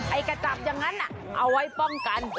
กระจับอย่างนั้นเอาไว้ป้องกัน